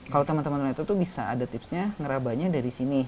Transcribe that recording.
kalau teman teman lunetra itu bisa ada tipsnya ngerabahnya dari sini